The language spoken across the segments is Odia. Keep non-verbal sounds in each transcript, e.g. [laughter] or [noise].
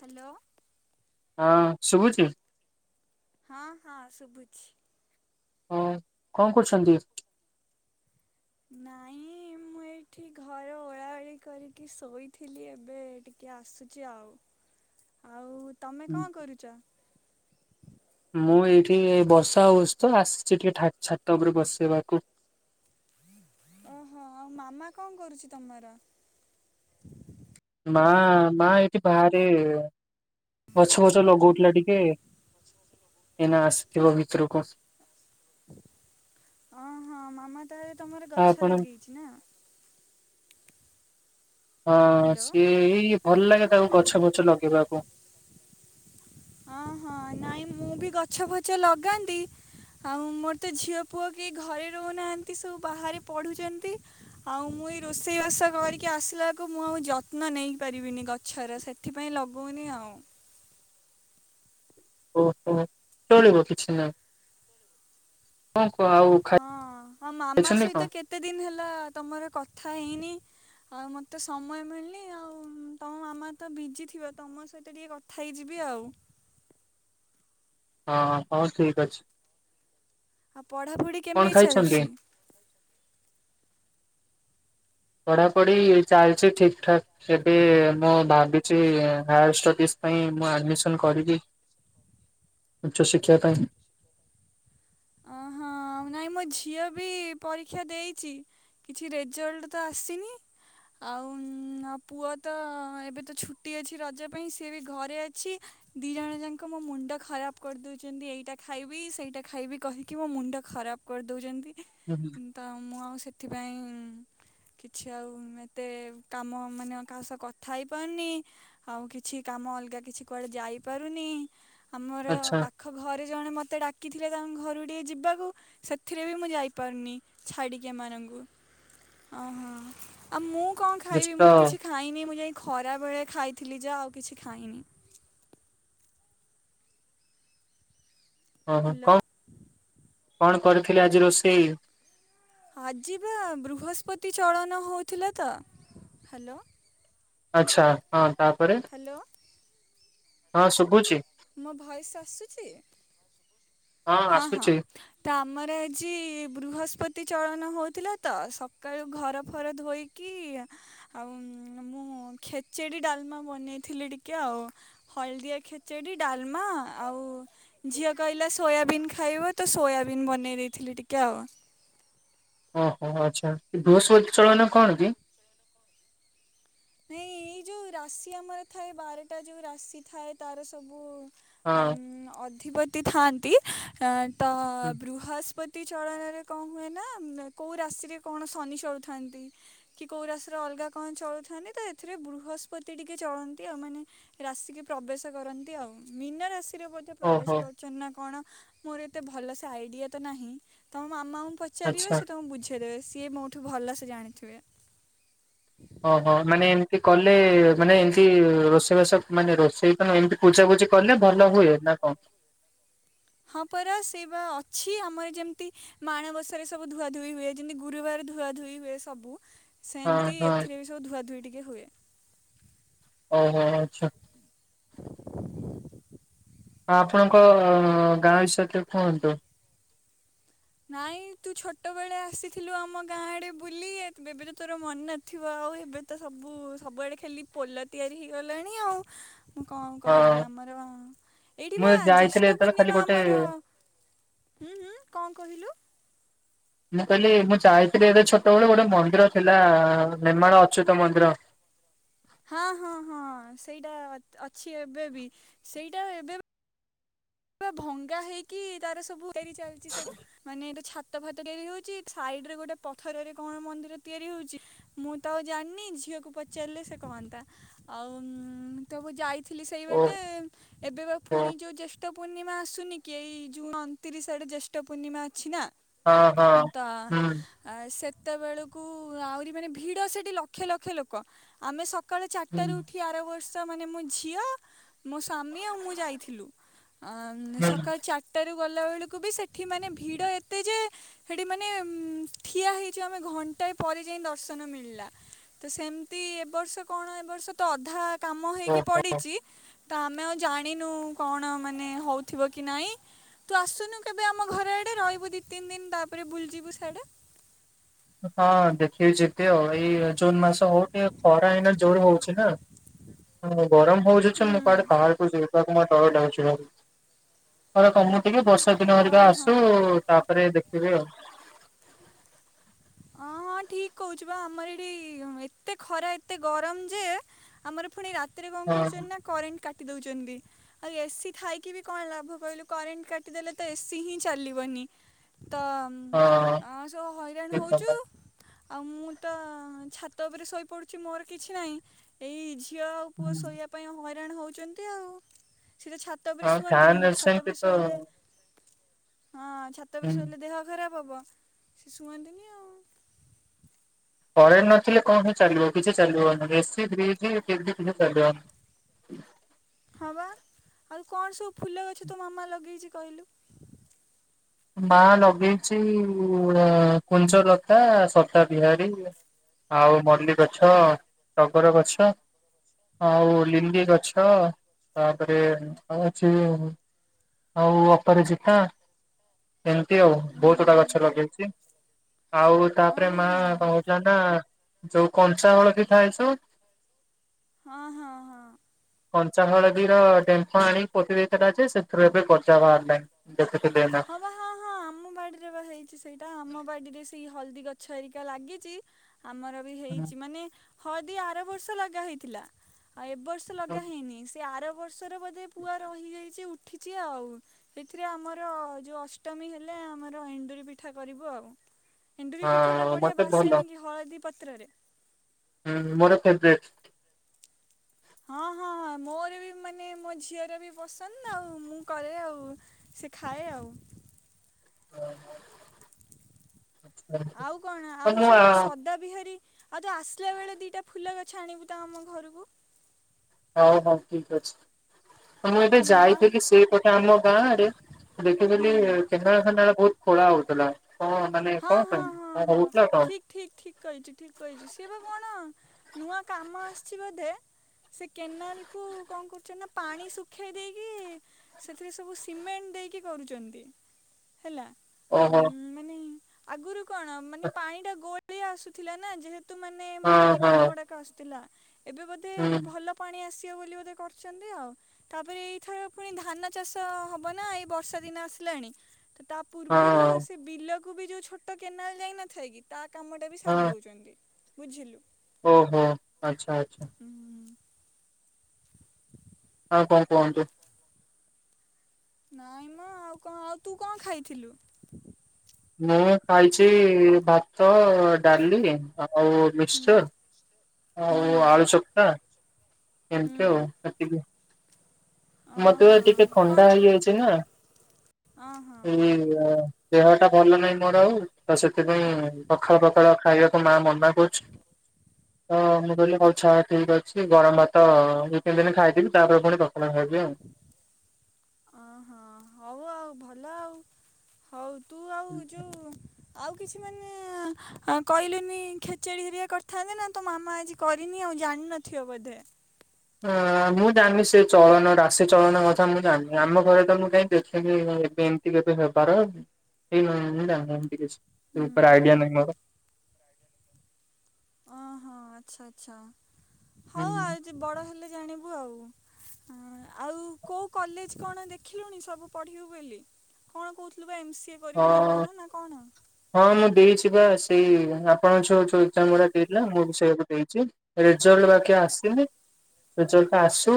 ହ୍ୟାଲୋ। ହଁ ଶୁବୁଚି? ହଁ ହଁ ଶୁଭୁଛି। ହଁ କଣ କରୁଛନ୍ତି? ନାଇଁ ମୁଁ ଏଇଠି ଘର ଓଳା ଓଳି କରିକି ଶୋଇଥିଲି ଏବେ ଟିକେ ଆସୁଚି ଆଉ ଆଉ ତମେ କଣ କରୁଚ? ମୁଁ ଏଇଠି ବର୍ଷା ହଉଛି ତ ଆସିଛି ଟିକେ ଠା ଛାତ ଉପରେ ବସିବାକୁ। ଓହୋ ଆଉ ମାମା କଣ କରୁଚି ତମର? ମା ମା ଏଠି ବାହାରେ ଗଛ ଫୋଛ ଲଗଉଥିଲା ଟିକେ ଏଇନା ଆସିଥିବ ଭିତରକୁ ଆସ ହଁ ହଁ ମାମା ତହାଲେ ତମର ଆଉ ଗଛ ଆପଣ ଲଗେଇଚି ନା। ହଁ ହ୍ୟାଲୋ ସିଏ ଏଇ ଭଲ ଲାଗେ ତାକୁ ଗଛ ଫଛ ଲଗେଇବାକୁ। ହଁ ହଁ ନାଇଁ ମୁଁ ବି ଗଛ ଫଛ ଲଗାନ୍ତି ଆଉ ମୋର ତ ଝିଅ ପୁଅ କେହି ଘରେ ରହୁନାହାନ୍ତି ସବୁ ବାହାରେ ପଢ଼ୁଚନ୍ତି ଆଉ ମୁଁ ଏଇ ରୋଷେଇବାସ କରିକି ଆସିଲା କୁ ମୁଁ ଆଉ ଯତ୍ନ ନେଇପାରିବିନି ଗଛର ସେଥିପାଇଁ ଲଗୋଉନି ଆଉ। ଓହୋ ଚଳିବ କିଛି ନାହିଁ କ ଆଉ ହଁ ଆ ମାମା ଖାଇଛନ୍ତି କଣ? ସହିତ କେତେ ଦିନ ହେଲା ତମର କଥା କଥା ହେଇନି ଆଉ ମୋତେ ସମୟ ମିଳନି ଆଉ ତମ ମାମା ତ ବିଜି ଥିବ ତମ ସହିତ ଟିକେ କଥା ହେଇଯିବି ଆଉ। ହଁ ହଉ ଠିକ ଅଛି। ଆଉ ପଢାପଢି କଣ କେମିତି ଖାଇଛନ୍ତି? ଚାଲିଚି? ପଢାପଢି ଚାଲିଛି ଠିକ ଠାକ ଏବେ ମୁଁ ଭାବିଚି ହାୟାର ଷ୍ଟଡିଜ ପାଇଁ ମୁଁ ଆଡମିସନ କରିବି ଉଚ୍ଚଶିକ୍ଷା ପାଇଁ। ଅହଁ ନାଇଁ ମୋ ଝିଅ ବି ପରୀକ୍ଷା ଦେଇଚି କିଛି ରେଜଲ୍ଟ ତ ଆସିନି ଆଉ ମୋ ପୁଅ ତ ଏବେ ତ ଛୁଟି ଅଛି ରଜ ପାଇଁ ସିଏ ବି ଘରେ ଅଛି ଦୁଇଜଣ ଯାକ ମୋ ମୁଣ୍ଡ ଖରାପ କରିଦେଉଚନ୍ତି ଏଇଟା ଖାଇବି ସେଇଟା ଖାଇବି କହିକି ମୋ ମୁଣ୍ଡ ଖରାପ କରିଦଉଚନ୍ତି। ହୁଁ ତ ମୁଁ ଆଉ ସେତ ସେଥିପାଇଁ କିଛି ଆଉ ଏତେ କାମ ମାନେ କାହା ସହ କଥା ହେଇପାରୁନି ଆଉ କିଛି କାମ ଅଲଗା କିଛି କୁଆଡ଼େ ଯାଇପାରୁନି ଆମର ଆଚ୍ଛା ପାଖ ଘରେ ଜଣେ ମୋତେ ଡାକିଥିଲେ ତାଙ୍କ ରୁକୁ ଟିକେ ଯିବାକୁ ସେଥିରେ ବି ମୁଁ ଯାଇପାରୁନି ଛାଡ଼ିକି ଏମାନଙ୍କୁ ଅଁ ଆ ମୁଁ କଣ ଖାଇବି ଦୁଷ୍ଟ ମୁଁ କିଛି ଖାଇନି ମୁଁ ଯାଇ ଖରା ବେଳେ ଖାଇଥିଲି ଯେ ଆଉ କିଛି ଖାଇନି। ହ ହ୍ୟାଲୋ କଣ କଣ କରିଥିଲେ ଆଜି ରୋଷେଇ? ଆଜି ବା ବୃହସ୍ପତି ଚଳନ ହଉଥିଲା ତ ହ୍ୟାଲୋ। ଆଛା ହଁ। ତାପରେ ହ୍ୟାଲୋ ହଁ ଶୁଭୁଛି। ମୋ ଭଏସ୍ ଆସୁଛି ହଁ ହଁ ତ ଆମର ଆଜି ବୃହସ ସ୍ପତି ଚଳନ ହେଉଥିଲା ତ ସକାଳୁ ଘର ଫର ଧୋଇ କି ଆଉ ମୁଁ ଖେଚୁଡ଼ି ଡାଲମା ବନେଇଥିଲିି ଟିକେ ଆଉ ହଳଦିଆ ଖେଚୁଡ଼ି ଡାଲମା ଆଉ ଝିଅ କହିଲା ସ୍କୁ ସୋୟାବିନ ଖାଇବ ତ ସୋୟାବିନ ବନେଇ ଦେଇଥିଲି ଟିକିଏ ଆଉ। ଓହୋ ଆଚ୍ଛା ବୃହସ୍ପତି ଚଳନ କଣ କି? ନାଇଁ ଏଇ ଯୋଉ ରାଶି ଆମର ଥାଏ ବାରଟା ଯୋଉ ରାଶି ଥାଏ ତାର ସବୁ ହଁ ଅମ୍ ଅ ଧିପତି ଥାଆନ୍ତି ଏଁ ତ ହୁଁ ବୃହସ୍ପତି ସ୍ପତି ଚଳନରେ କଣ ହୁଏ ନା କୋଉ ରାଶିରେ କଣ ଶନି ଚଳୁଥାନ୍ତି କି କୋଉ ରାଶିରେ ଅଲଗା କଣ ଚଳୁଥାନ୍ତି ତ ଏଥିରେ ବୃହସ୍ପତି ଟିକେ ଚଳନ୍ତି ଆଉ ମାନେ ରାଶିିକି ପ୍ରବେଶ କରନ୍ତି ଆଉ ମୀନ ରାଶି ତିରେ ବୋଧେ ଓହୋ ପ୍ରବେଶ କରୁଚନ୍ତି ନା କଣ ମୋର ଏତେ ଭଲ ସେ ଆଇଡିଆ ତ ନାହିଁ ତମ ମା ମା ଙ୍କୁ ପଚାରିବ ଆଚ୍ଛା। ସେ ତମକୁ ବୁଝେ ଇଦେବେ ସିଏ ମୋଠୁ ଭଲସ ଜାଣିଥିବେ ଓହୋ ମାନେ ଏମତି କଲେ ମାନେ ଏମତି ରୋଷେଇବାସ ମାନେ ରୋଷେଇ ତ ନୁହଁ ଏମତି ବୁଝାବୁଝି କଲେ ଭଲ ହୁଏ ନା କଣ? ହଁ ପରା ସେଇ ବା ଅଛି ଆମର ଯେମିତି ମାଣବସାରେ ସବୁ ଧୂଆ ଧୋଇ ହୁଏ ଯେମିତି ଗୁରୁବାର ଧୁଆ ଧୋଇ ହୁଏ ସବୁ ହଁ ସେମିତି ହଁ ଏଥିରେ ବି ସବୁ ଧୁଆ ଧୋଇ ଟିକେ ତି ହୁଏ। ଓହୋ ଆଚ୍ଛା। ଅ ଆପଣଙ୍କ ଗାଁ ବିଷୟ ରେ ଟିକେ କୁହନ୍ତୁ। ନାଇଁ ତୁ ଛୋଟ ବେଳେ ଆସିଥିଲୁ ଆମ ଗାଁ ଆଡେ ବୁଲି ଏବେ ବି ତ ତୋର ମନ ନଥିବ ଆଉ ଏବେ ତ ସବୁ ସବୁଆଡେ ଖାଲି ପୋଲ ତିଆରି ହେଇଗଲାଣି ଆଉ। ମୁଁ କଣ ହଁ କହିବିଲ ଆମର ବା ଏଇଠି ମୁଁ ବା ଯାଇଥିଲି ଜ୍ୟେଷ୍ଠ ଯେତେବେଳେ ଖାଲି ପୂର୍ଣ୍ଣିମା ଆମର ଗୋଟେ ହୁଁ ହୁଁ କଣ ହିଲୁ ମୁଁ କହିଲି ମୁଁ ଯାଇଥିଲି ଏବେ ଛୋଟ ବେଳୁ ଗୋଟେ ମନ୍ଦିର ଥିଲା ନେମାଳ ଅଚ୍ୟୁତ ମନ୍ଦିର। ହଁ-ହଁ-ହଁ ସେଇଟା ଅଛି ଏବେ ବି ସେଇଟା ଏବେ ଭଙ୍ଗା ହେଇକି ତାର ସବୁ ତିଆରି ଚାଲିଛି ସବୁ ମାନେ ଏଟା ଛାତ ଫାତ ତିଆରି ହଉଚି ସାଇଡରେ ଗୋଟେ ପଥରରେ କଣ ମନ୍ଦିର ତିଆରି ହଉଚି ମୁଁ ତ ଆଉ ଜାଣିନି ଝିଅକୁ ପଚାରିଲେ ସେ କହନ୍ତା। ଆଉ ତ ମୁଁ ଯାଇ ଥିଲି ସେଇ ଓହୋ ବାଟେ ଏବେ ବା ପୁଣି ହଁ ଯୋଉ ଜେଷ୍ଠ ପୂର୍ଣ୍ଣିମା ଆସୁନି କି ଏଇ ଜୁନ୍ ଅଣତିରିଶ ଆଡେ ଜ୍ୟେଷ୍ଠ ପୂର୍ଣ୍ଣିମା ଅଛି ନା। ହଁ ତ ହୁଁ ସେ ସେତେବେଳକୁ ଆହୁରି ମାନେ ଭିଡ ସେଠି ଲକ୍ଷେ ଲକ୍ଷେ ଲୋକ ଆମେ ସ କାଳ ହୁଁ ଚାରିଟାରୁ ଉଠି ଆର ବର୍ଷ ଚା ମାନେ ମୋ ଝିଅ, ମୋ ସ୍ୱାମୀ ଆଉ ମୁଁ ଯାଇଥିଲୁ। ଆଁ ହୁଁ ସକାଳ ଚାରିଟା ରୁ ଗଲାବେଳକୁ ବି ସେଠି ମାନେ ଭିଡ ଏତେ ଯେ, ସେଠିମାନେ ଠିଆ ହେଇଚୁ ଆମେ ଘଣ୍ଟାଏ ପରେ ଯାଇ ଦର୍ଶନ ମିଳିଲା, ତ ସେମିତି ଏ ବର୍ଷ କଣ ଏ ବର୍ଷ ତ ଅଧା କାମ ହେଇକି ଓହୋ। ପଡିଚି। ତ ଆମେ ଆଉ ଜାଣିନୁ କଣ ମା ନେ ହଉଥିବ କି ନାଇଁ, ତୁ ଆସୁନୁ କେବେ ଆମ ଘର ଆଡେ ରହିବୁ ଦି ତିନି ଦିନ ତାପରେ ବୁଲଯିବୁ ସିଆଡେ? ହଁ ଦେଖିକି ଯିବି ଆଉ, ଏଇ ଜୁନ ମାସ ହଉ ଟିକେ ଖରା ଏଇନା ଜୋର ହଉଛି ନା [unintelligible] ଗରମ ହଉଛି ଯେ ଅଁ ମୁଁ କୁଆଡେ ବାହାରକୁ ଯି ଖରାକୁ ବା ଡର ଲାଗୁଚି ବହୁତ, ଖରା କମୁ ଟିକେ ବସ ର୍ଷା ଦିନ ହେରିକା ହଁ ଆସୁ ତାପରେ ଦେଖ ଯିବି ଆଉ। ହଁ ହଁ ଠିକ କହୁଛି। ବା ଆମର ଏଠି ଏତେ ଖରା ଏତେ ଗରମ ଯେ ଆମର ପୁଣି ରାତ୍ ରାତିରେ କଣ ହଁ। କରୁଛନ୍ତି ନା କରେଣ୍ଟ କା କାଟି ଦେଉଛନ୍ତି। ଆଉ ଏସିି ଥାଇକି ବି କଣ ଲାଭ କହିଲୁ। କରେଣ୍ଟ କାଟିଦେଲେ ତ ଏସି ହିଁ ଚାଲିବନି। ତମ୍ ହଁ ସବୁ ହଇରାଣ ହଉ [unintelligible] ଆଉ ମୁଁ ତ ଛାତ ଉପରେ ଶୋଇପଡ଼ୁଛି। ମୋର କିଛି ନାହିଁ ଏଇ ଝୀ ଝିଅ ଆଉ ହୁଁ। ପୁଅ ଶୋଇବା ପାଇଁ ହ ହଇରାଣ ହଉଛନ୍ତି ଆଉ। ସେ ତ ଛାତ ଉପରେ ହଁ ଶୁଅନ୍ତିନି। ଫ୍ୟାନ ଛାତ ସେମିତି ଉପରେ ତ ଶୋଇଲେ ହଁ ଛାତ ହୁଁ। ଉପରେ ଶୋଇଲେ ଦେହ ଖରାପ ହବ ସିଏ ଶୁଅନ୍ତିନି ଆଉ। କରେଣ୍ଟ୍ ନଥିଲେ କଣ ହି ଚାଲିବ କିଛି ଚାଲିବନି ଏସି ଫ୍ରିଜ୍ ଟିଭି କିଛି ଚାଲିବନି। ହଁ ବା ଆଉ କଣ ସବୁ ଫୁଲ ଗଛ ତୋ ମାମା ଲଗେଇଛି କହିଲୁ? ମା ଲଗେଇଛି କୁଞ୍ଜଲତା ସଦାବିହାରୀ ଆଉ ମଲ୍ଲୀ ଗଛ ଟଗର ଗଛ ଆଉ ଲିଲିି ଗଛ ତାପରେ ଆଉହଉଛି ଆଉ ଅପରାଜିତା ଏମିତି ଆଉ ଉଁ ବହୁତ ଗୁଡା ଗଛ ଲଗେଇଛି ଆଉ ତାପରେ ଅଁ ମା ହଁ କଣ କହୁଥିଲା ନା ଯୋଉ କଞ୍ଚା ହଳଦୀ ଖାଇଛୁ ହଁ ହଁ ହଁ। କଞ୍ଚା ହଳଦୀର ଡେମ୍ଫ ଆଣି ପୋତିଦେଇଥିଲା ଯେ ସେ ଏବେ ଗଜା ବାହାରିଲାଣି। ଦେଖୁଥିଲି ଏଇନା। ହଁ ବା ହଁ ହଁ ଆମ ବାଡିରେ ବା ହେଇଛି ସେଇଟା ଆମ ବାଡିରେ ସେଇ ହଳଦୀ ଗଛ ହେରିକା ଲାଗିଛି। ଆମର ବି ହେଇଛି ମାନେ ହଳଦୀ ଆର ବର୍ଷ ଲଗା ହେଇଥିଲା। ଆଉ ଏବ ବର୍ଷ ଲଗା ହେଇନି। ଏ ଆର ବ ର୍ଷ ଆରବର୍ଷର ବୋଧେ ପୁଆ ରହିଯାଇଛି ଉ ଉଠିଛି ଆଉ ଏଥିରେ ଆମର ଆମର ଯୋଉ ଅଷ୍ଟମୀ ହେଲେ ଆମର ଏଣ୍ଡୁରି ପିଠା କରିବୁ ଆଉ। ଏଣ୍ଡୁରି ପିଠା ଟା ହଁ ବଢିଆ ମତେ ଭଲ ବାସେନି କି ହଳଦୀ ପ ପତ୍ରରେ। ହୁଁ ମୋର ଫେର୍ବେଟ। ହଁ ହଁ ହଁ ମୋର ବି ମାନେ ମୋ ଝିଅର ବି ପସନ୍ଦ ଆଉ ମୁଁ କରେ ଆଉ ସେ ଖାଏ ଆଉ। ଆଉ କଣ ଆଉ ସେ ମୁଁ ଯୋଉ ସଦା ବିହାରୀ ଆଉ ତୁ ଆସିଲା ବେଳେ ଦିଟା ଫୁଲ ଗଛ ଆଣିବୁ ତ ଆମ ଘରକୁ। ହଉ ହଉ ଠିକ୍ ଅଛି। ମୁଁ ଏବେ ହୁଁ ଆଉ ଯାଇଥିଲି ସେଇପଟେ ଆମ ଗାଁ ରେ ହୁଁ ଦେଖିଥିଲି କେନାଳ ଫେନାଳ ବହୁତ ଖୋଳା ହଉଥିଲା। କଣ ମାନେ ହଁ କଣ ହଁ ପାଇଁ ହଁ କଣ ହଁ ହଉଥିଲା କଣ? ଠିକ୍ ଠିକ୍ ଠିକ୍ ଠିକ୍ କହିଛୁ ଠିକ୍ କହିଛୁ ସିଏ ବା କଣ ନୂଆ କାମ ଆସିଛି ବୋଧେ ସେ କେନାଲକୁ କଣ କରୁଛନ୍ତି ନା ପାଣି ଶୁଖେଇ ଦେଇକି ସେଥିରେ ସବୁ ସିମେଣ୍ଟ ଦେଇକି କରୁଛନ୍ତି। ହେଲା ଆଉ ଓହୋ ମାନେ ଆଗରୁ କଣ ମାନେ ପାଣି ଟା ଗୋ ଗୋଳିଆ ଆସୁଥିଲା ନା ଯେହେତୁ ତୁ ମାନେ ହଁ ମାଟି ହଁ ପାଣି ଗୁଡାକ ଆସୁଥିଲା। ଏବେ ବୋଧେ ହୁଁ ତ ଭଲ ପାଣି ଆସ ବୋଲି ବୋଧେ କରିଛନ୍ତି ଆଉ ତାପରେ ଏଇଥର ପୁଣି ଧାନ ଚାଷ ହବ ନା ଏଇ ବର୍ଷା ଦିନ ଆସିଲାଣି ତ ତା ପୂର୍ବରୁ ହଁ ସେ ବିଲକୁ କୁ ବି ଯୋଉ ଛୋଟ କେନାଲ ଯାଇ ନଥାଏ କି ତା କାମଟା ବି ସାରି ଦଉଛନ୍ତି। ବୁଝିଲୁ। ଓ ହୋ ଆଚ୍ଛା ଆଚ୍ଛା ହୁଁ। ଉ କଣ କୁହନ୍ତୁ? ନାଇଁ ମା ଆଉ କଣ ଆଉ ତୁ କଣ ଖାଇଥିଲୁ? ମୁଁ ଖାଇଛି ଭାତ ଡାଲି ଆ ଆଉ ହୁଁ ମିଶ୍ଚର୍ ହୁଁ ଆଉ ଆଳୁ ଚକ୍ଟା ହୁଁ ଏମତି ଆଉ ସେତିକି ମତେ ବା ଓହୋ ଟିକେ କଣ ଥଣ୍ଡା ହେଇ ଯାଇଚିନା ଓହୋ [unintelligible] ଦେହଟା ଭଲ ନାହିଁ ମୋର ଆଉ ତ ସେଥିପାଇଁ ପଖାଳ ଦେହ ଟା ଭଲ ନାଇଁ ମୋର ତ ସେଥିପାଇଁ ପଖାଳ ପଖାଳ ଖାଇବାକୁ ମାଆ ମନା କରୁଛି ତ ମୁଁ କହିଲି ହଉ ଛାଡ଼ ଠିକ୍ ଅଛି ଗରମ୍ ଭାତ ଦୁଇ ତିନି ଦିନ ଖାଇଦେବି ତାପରେ ପୁଣି ପଖାଳ ଖାଇବି। ଓହୋ ହଉ ଆଉ ଭଲ ଆଉ [unintelligible] ହଉ ତୁ ଆଉ ଯୋଉ ଆଉ କିଛି ମାନେ ଅଁ କହିଲେନି ଖେଚେଡି ହେରିକା କରିଥାନ୍ତେ ନା ତ ମାମା ଆଜି କରିନି ଆଉ ଜାଣିନଥିବ ବୋଧେ ହ ମୁଁ ଜାଣିନି ସେ ଚଳନ ରାଶି ଚଳନ କଥା ମୁଁ ଜାଣିନି ଆମ ଘରେ ତ ମୁଁ କାଇଁ ଦେଖନି ଏବେ ଏମିତି କେବେ ହେବାର ହେଇଣି ମୁଁ ଜାଣି ଏମତି କିଛି ସେ ହୁଁ ଉପରେ ଆଇଡିଆ ନାହିଁ ମୋର ଓହୋ ଆଚ୍ଛା ଆଚ୍ଛା। ହଉ ଆଉ ଜ ବଡ଼ ହେଲେ ଜାଣିବୁ ଆଉ। ହ ଆଉ କୋଉ କଲେଜ କଣ ଦେଖିଲୁଣି ସବୁ ପଢିବୁ ବୋଲି କଣ କହୁଥିଲୁ ବା ଏମ୍ ସି ଏ ହଁ କରିବୁ ନା କ'ଣ ନା କ'ଣ ହଁ ମୁଁ ଦେଇଛି ବା ସେଇ ଆପଣ ଝୁଅ ଯୋଉ ଏକ୍ଜାମ ଗୁଡ଼ା ଦେଇଲା ମୁଁ ବି ସେଇାକୁ ଦେଇଛି ରେଜଲ୍ଟ ବାକି ଆସିନି ରେଜଲ୍ଟ ଆସୁ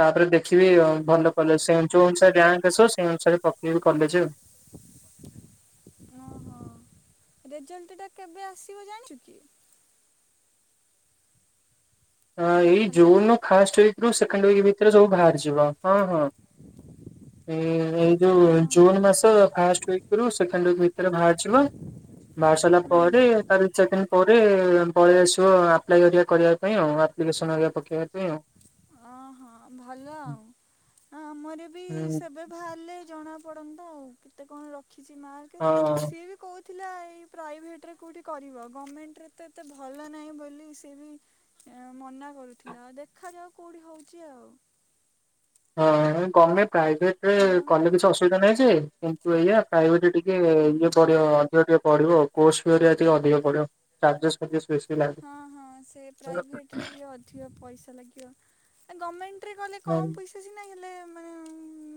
ତାପରେ ଦେଖିବି ଭଲ କଲେଜ ସେ ଯେଉଁ ଅନୁସାରେ ର୍ୟାଙ୍କ ଆସ ସେଇ ଅନୁସାରେ ପକେଇବି କଲେଜ ଆଉ ରେଜଲ୍ଟ ଟା କେବେ ଆସିବ ଜାଣିଚୁ କି? ହଁ ଏଇ ହ୍ୟାଲୋ ଜୁନ୍ ଫାଷ୍ଟ ୱିକ୍ ରୁ ସେକଣ୍ଡ ୱିକ୍ ଭିତରେ ସବୁ ବାହାରିଯିବ ହଁ ହଁ ଏ ଏଇ ଯୋଉ ଜୁନ୍ ହଁ ମାସ ଫାଷ୍ଟ ୱିକ୍ ରୁ ସେକେଣ୍ଡ ୱିକ୍ ଭିତରେ ବାହାରିଯିବ ବାହାରି ସାରିଲା ପରେ ହୁଁ ତାର ଦି ଚାରି ଦିନି ପରେ ପଳେଇ ଆସିବ ଆପ୍ଲାଇ ହେରିକା କରିବା କରିବା ପାଇଁ ଆଉ ଆ ଆପ୍ଲିକେସନ୍ ହେରିକା ପକେଇବା ପାଇଁ ଆଉ। ଅହଁ ଭଲ ଆଉ ଆମର ବି ହୁଁ ସେବେ ଭାରିଲେ ଜଣା ପଡନ୍ତା ଆଉ କେତେ କଣ ରଖ ରଖିଛି ମାର୍କ ହଁ। ସିଏ ବି କହୁଛି ଥିଲା ଏଇ ପ୍ରାଇଭେଟ୍ ରେ କଉଠି କରିବ ଗମେଣ୍ଟରେ ତ ଏତେ ଭଲ ନାହିଁ ବୋଲି ସେ ବି ମନା କରୁଥିଲା ଆଉ ଦେଖାଯାଉ କୋଉଠି ହଉଛି ଆଉ। ହଁ ଗମେ ପ୍ରାଇଭେଟ ରେ ହ୍ୟାଲୋ କଲେ କିଛି ଅସୁବିଧା ନାହିଁ ଯେ କିନ୍ତୁ ଏଇଆ ପ୍ରାଇଭେଟ୍ ରେ ଟି ଟେ ଇଏ ପଡିବ ଅଧିକ ଟିକେ ପଡ଼ିବ କୋର୍ସ ଫି ହେରିକା ଟିକେ ଅଧିକ ପଡ଼ିବ ଚାର୍ଜେସ୍ ଫାର୍ଜେସ ବେ ହଁ ହଁ ସେ ପ୍ରାଇଭେଟରେ ଟିକେ ଅଧିକ ପଇସା ଲାଗିବ। ଗମେଣ୍ଟ ରେ କଲେ କମ ହୁଁ ପଇସା ସିନା ହେଲେ ମାନେ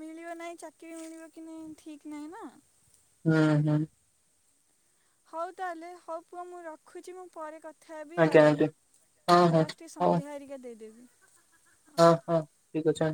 ମିଳିବ ନାହିଁ ଚାକିରି ମିଳିବ କି ନାଇ ଠିକ ନାହିଁ ନା। ହୁଁ ହୁଁ। ହଉ ତାହେଲେ ହଉ ପୁଅ ମୁଁ ରଖୁଛି ମୁଁ ପରେ କ ଥା ହେବି ଆଜ୍ଞା ଆଉ ଆଜ୍ଞା ହଁ ହଁ ଯାଉଛି ଟିକେ ହଉ ସନ୍ଧ୍ୟା ହେରିକା ଦେଇଦେବି। ହଁ ହଁ ଠିକ ଅଛି ଆ